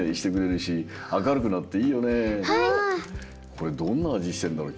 これどんなあじしてるんだろう